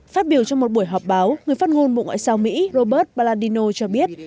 phát biểu trong một buổi họp báo người phát ngôn bộ ngoại giao mỹ robert baladino cho biết